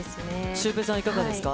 シュウペイさん、いかがですか。